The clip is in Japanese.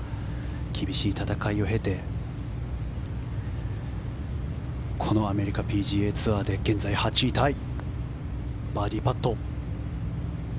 厳しい戦いを経てこのアメリカＰＧＡツアーで現在８位タイ。